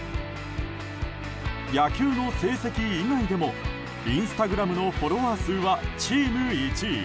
野球の成績以外でもインスタグラムのフォロワー数はチーム１位。